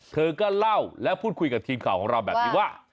เธอก็เล่าและพูดคุยกับทีมข่าวของเราแบบนี้ว่า